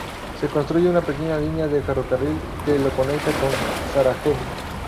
Se construye una pequeña línea de ferrocarril que lo conecta con Sarajevo.